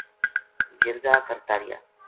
جِرگہ کرتا رہیا